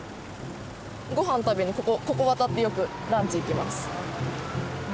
ごはん食べにここ渡ってよくランチ行きます。